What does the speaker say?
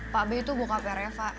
pak be itu bokapnya reva